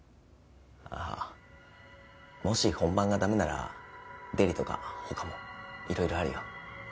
あっもし本番がダメならデリとかほかもいろいろあるよ。